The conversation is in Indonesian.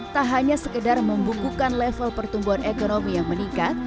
tak hanya sekedar membukukan level pertumbuhan ekonomi yang meningkat